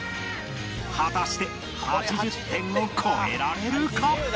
果たして８０点を超えられるか？